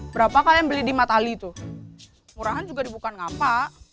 berapa kalian beli di matali itu murahan juga dibuka ngapa